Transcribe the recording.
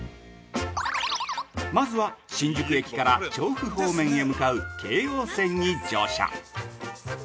まずは、新宿駅から調布方面へ向かう京王線に乗車。